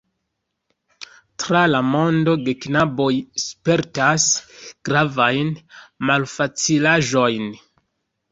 Tra la mondo geknaboj spertas gravajn malfacilaĵojn.